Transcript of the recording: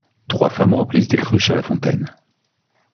Trois femmes remplissent des cruches à la fontaine.